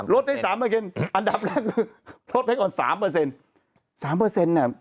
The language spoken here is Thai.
๓ลดให้๓อันดับหน้าคือลดให้ก่อน๓